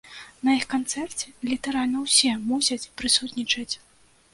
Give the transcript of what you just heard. На іх канцэрце літаральна ўсе мусяць прысутнічаць!